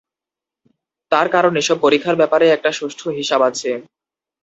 তার কারণ এসব পরীক্ষার ব্যাপারে একটা সুষ্ঠু হিসাব আছে।